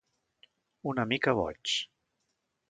Una mica boig.